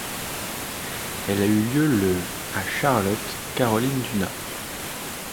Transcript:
Elle a eu lieu le à Charlotte, Caroline du Nord.